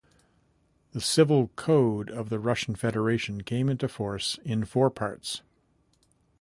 The Civil Code of the Russian Federation came into force in four parts.